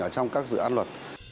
trong các dự án luật đưa ra